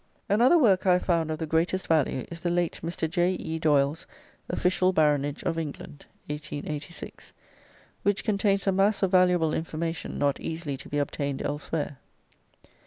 Another work I have found of the greatest value is the late Mr. J. E. Doyle's "Official Baronage of England" (1886), which contains a mass of valuable information not easily to be obtained elsewhere.